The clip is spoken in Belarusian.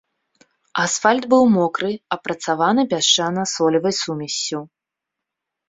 Асфальт быў мокры, апрацаваны пясчана-солевай сумессю.